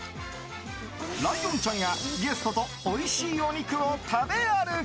ライオンちゃんがゲストとおいしいお肉を食べ歩き。